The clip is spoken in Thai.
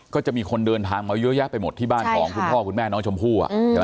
ก็จะมีคนเดินทางมาเยอะแยะไปหมดที่บ้านของคุณพ่อคุณแม่น้องชมพู่